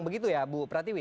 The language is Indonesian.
begitu ya bu pratibi